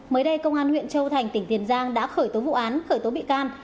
mới đây công an huyện châu thành tỉnh tiền giang đã khởi tố vụ án khởi tố bị can